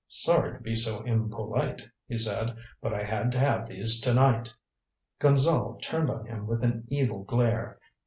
"Sorry to be so impolite," he said. "But I had to have these to night." Gonzale turned on him with an evil glare.